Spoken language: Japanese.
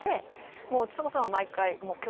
もうちさ子さんは毎回。